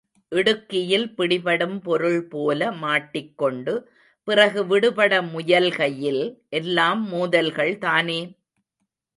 இடுக்கியில் பிடிபடும் பொருள் போல மாட்டிக்கொண்டு, பிறகு விடுபட முயல்கையில் எல்லாம் மோதல்கள்தானே!